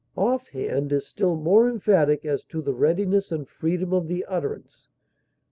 Offhand is still more emphatic as to the readiness and freedom of the utterance.